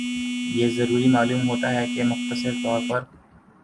یہ ضروری معلوم ہوتا ہے کہ مختصر طور پر